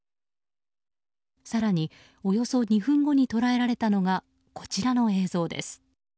更に、およそ２分後に捉えられたのがこちらの映像です。